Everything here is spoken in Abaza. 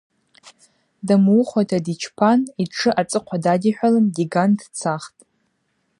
Дамуыхуата дичпан йтшы ацӏыхъва дадихӏвалын диган дцахтӏ.